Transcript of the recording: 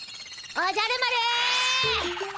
おじゃる丸。